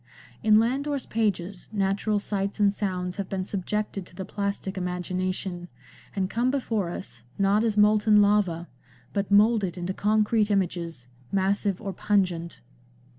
In Landor's pages natural sights and sounds have been subjected to the plastic imagination, and come before us, not as molten lava, but moulded into concrete images, massive or pungent.